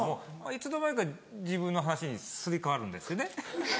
いつの間にか自分の話にすり替わるんですよね。